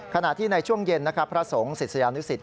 ขณะที่ในช่วงเย็นพระสงฆ์ศิษยานุศิษย์